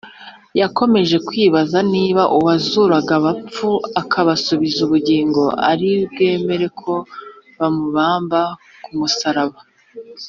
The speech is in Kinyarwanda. yakomeje kwibaza niba uwazuraga abapfuye akabasubiza ubugingo ari bwemere ko bamubamba ku musaraba?